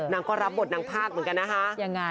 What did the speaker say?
นางก็รับบทนางภาคเหมือนกันนะฮะ